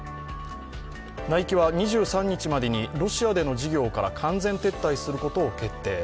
ナイキは２３日までにロシアでの事業から完全撤退することを決定。